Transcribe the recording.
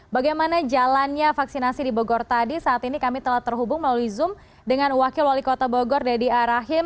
bagaimana jalannya vaksinasi di bogor tadi saat ini kami telah terhubung melalui zoom dengan wakil wali kota bogor deddy arahim